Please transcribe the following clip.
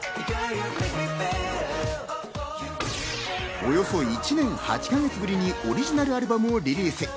およそ１年８か月ぶりにオリジナルアルバムをリリース。